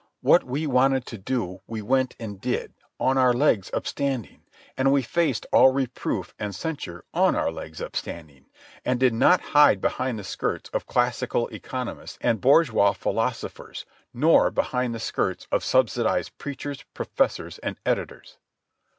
What we wanted to do we went and did, on our legs upstanding, and we faced all reproof and censure on our legs upstanding, and did not hide behind the skirts of classical economists and bourgeois philosophers, nor behind the skirts of subsidized preachers, professors, and editors.